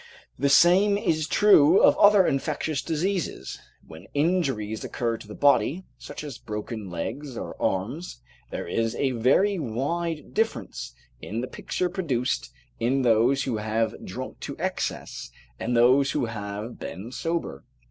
The same is true of other infectious diseases. When injuries occur to the body, such as broken legs or arms, there is a very wide difference in the picture produced in those who have drunk to excess, and those who have been sober.